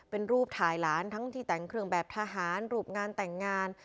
เป็นรูปถ่ายหลานทั้งที่แต่งเครื่องแบบทหารรูปงานแต่งงาน